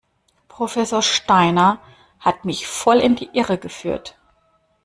Professor Steiner hat mich voll in die Irre geführt.